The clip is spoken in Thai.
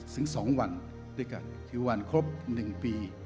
ถึง๒วันด้วยกันคือวันครบ๑ปี